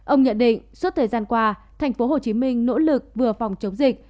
ông nhận định suốt thời gian qua tp hcm nỗ lực vừa phòng chống dịch